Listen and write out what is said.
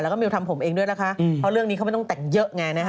แล้วก็มิวทำผมเองด้วยนะคะเพราะเรื่องนี้เขาไม่ต้องแต่งเยอะไงนะคะ